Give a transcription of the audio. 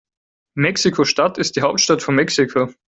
Mexiko-Stadt ist die Hauptstadt von Mexiko.